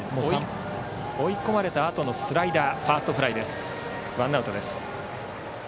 追い込まれたあとのスライダーファーストフライでワンアウト。